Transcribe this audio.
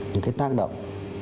những cái tác động